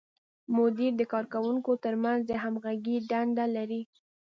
مدیر د کارکوونکو تر منځ د همغږۍ دنده لري.